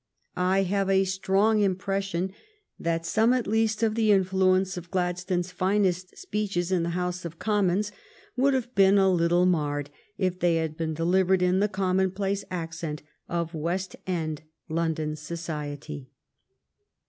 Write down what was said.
I have a strong impression that some at least of the influence of Gladstone's finest speeches in the House of Commons would have been a little marred if they had been delivered in the common place accent of West End London society.